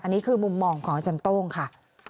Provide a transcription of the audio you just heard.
อันนี้คือมุมมองของอาจารย์โต้งค่ะ